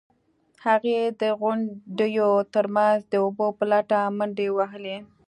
هغې د غونډیو ترمنځ د اوبو په لټه منډې وهلې.